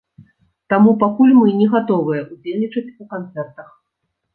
Таму пакуль мы не гатовыя ўдзельнічаць у канцэртах.